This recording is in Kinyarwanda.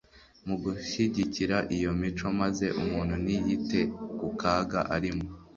Mu gushyigikira iyo mico, maze umuntu ntiyite ku kaga arimo,